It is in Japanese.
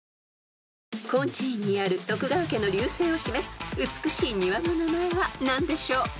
［金地院にある徳川家の隆盛を示す美しい庭の名前は何でしょう？］